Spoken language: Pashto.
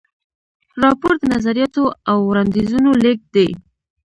راپور د نظریاتو او وړاندیزونو لیږد دی.